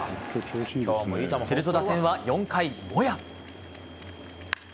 すると打線は４回、モヤ。